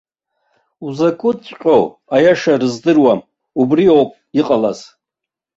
Узакәыҵәҟьоу аиаша рыздыруам, убри ауп иҟалаз.